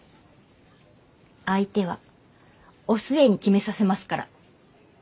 相手はお寿恵に決めさせますから。